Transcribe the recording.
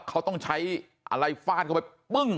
เขาต้องใช้อะไรฟาดเข้าไปปึ้ง